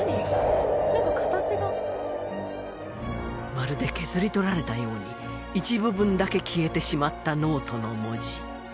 「なんか形が」まるで削り取られたように一部分だけ消えてしまったノートの文字。